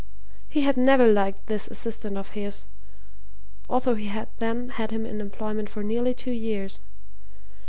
He had never liked this assistant of his, although he had then had him in employment for nearly two years.